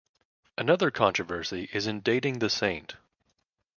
Another controversy is in dating the saint.